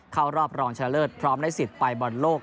เข้ารอบรองชนะเลิศพร้อมได้สิทธิ์ไปบอลโลก